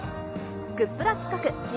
グップラ企画！